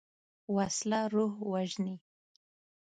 وسله روح وژني